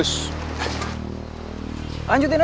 aku mau jaga rumput mereka